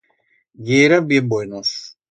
Yeran bien buenos.